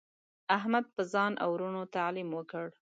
احمد په ځان او ورونو تعلیم وکړ.